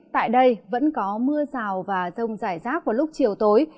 tại đây vẫn có mưa rào và rông rải rác vào lúc chiều tối